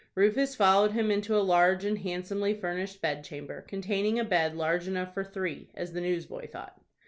Rufus followed him into a large and handsomely furnished bedchamber, containing a bed large enough for three, as the newsboy thought.